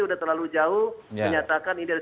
sudah terlalu jauh menyatakan ini dari